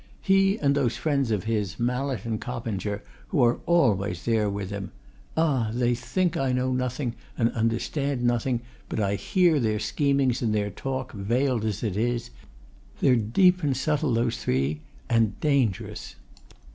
He and those friends of his, Mallett and Coppinger, who are always there with him ah, they think I know nothing, and understand nothing, but I hear their schemings and their talk, veiled as it is. They're deep and subtle, those three and dangerous.